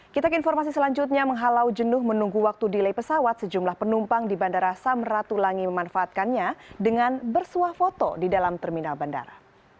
kita ke informasi selanjutnya menghalau jenuh menunggu waktu delay pesawat sejumlah penumpang di bandara samratulangi memanfaatkannya dengan bersuah foto di dalam terminal bandara